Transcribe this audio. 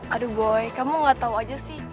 aduh boy kamu gak tau aja sih